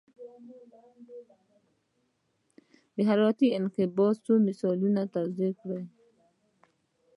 حرارتي انقباض په څو مثالونو کې توضیح کړئ.